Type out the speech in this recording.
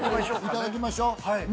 いただきましょう。